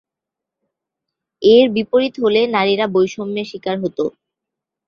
এর বিপরীত হলে নারীরা বৈষম্যের শিকার হতো।